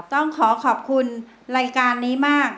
ต้องขอขอบคุณรายการนี้มาก